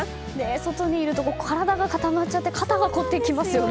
外にいると体が固まっちゃって肩が凝ってきますよね。